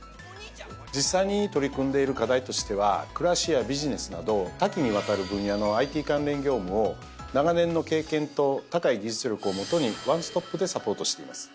実際に取り組んでいる課題としては暮らしやビジネスなど多岐にわたる分野のＩＴ関連業務を長年の経験と高い技術力を基にワンストップでサポートしています。